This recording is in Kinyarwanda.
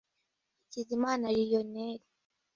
Hakizimana Lionel